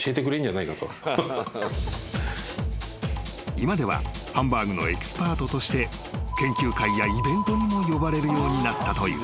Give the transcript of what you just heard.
［今ではハンバーグのエキスパートとして研究会やイベントにも呼ばれるようになったという］